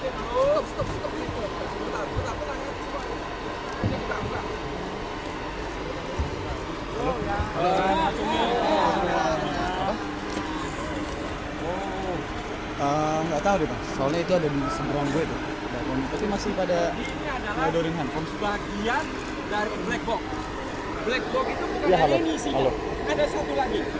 enggak tahu soalnya itu ada di seberang gue tuh masih pada bagian dari blackbox blackbox itu